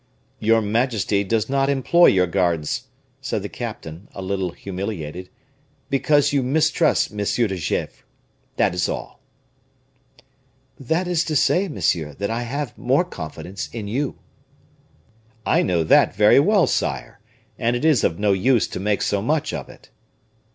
"Your majesty does not employ your guards," said the captain, a little humiliated, "because you mistrust M. de Gesvres, that is all." "That is to say, monsieur, that I have more confidence in you." "I know that very well, sire! and it is of no use to make so much of it."